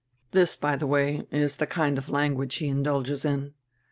This, by tire way, is tire kind of language he indulges in.